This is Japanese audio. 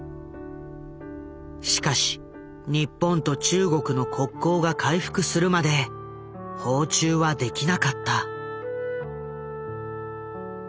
しかし日本と中国の国交が回復するまで訪中はできなかった。